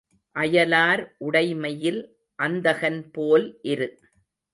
அயலார் உடைமையில் அந்தகன் போல் இரு.